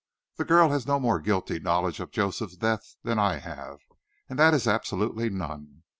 That girl has no more guilty knowledge of Joseph's death than I have, and that is absolutely none.